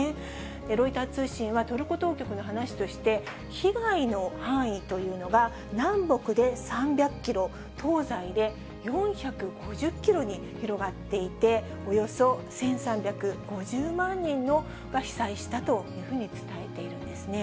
ロイター通信は、トルコ当局の話として、被害の範囲というのが南北で３００キロ、東西で４５０キロに広がっていて、およそ１３５０万人が被災したというように伝えているんですね。